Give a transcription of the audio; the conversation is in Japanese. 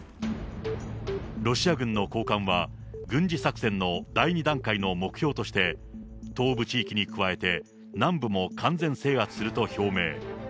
ロシア軍の高官は、軍事作戦の第２段階の目標として東部地域に加えて、南部も完全制圧すると表明。